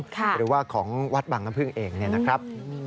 หรือว่าของวัดบางน้ำพึ่งเองเนี่ยนะครับ